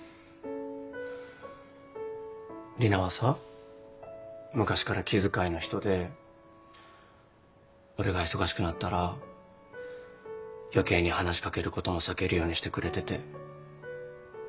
里奈はさ昔から気遣いの人で俺が忙しくなったら余計に話しかけることも避けるようにしてくれてて。